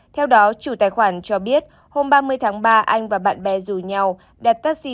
theo đó chủ tài khoản cho biết hôm ba mươi tháng ba anh và bạn bè rủ nhau đặt taxi